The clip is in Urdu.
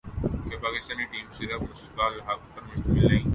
کہ پاکستانی ٹیم صرف مصباح الحق پر مشتمل نہیں